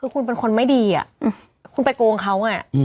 คือคุณเป็นคนไม่ดีคุณไปโกงเขา